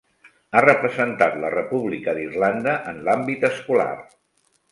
Ha representat la República d'Irlanda en l'àmbit escolar.